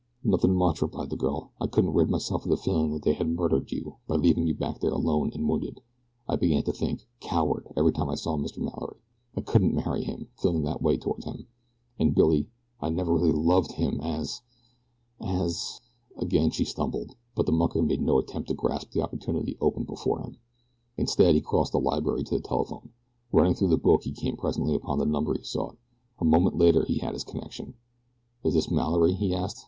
"Nothing much," replied the girl. "I couldn't rid myself of the feeling that they had murdered you, by leaving you back there alone and wounded. I began to think 'coward' every time I saw Mr. Mallory. I couldn't marry him, feeling that way toward him, and, Billy, I really never LOVED him as as " Again she stumbled, but the mucker made no attempt to grasp the opportunity opened before him. Instead he crossed the library to the telephone. Running through the book he came presently upon the number he sought. A moment later he had his connection. "Is this Mallory?" he asked.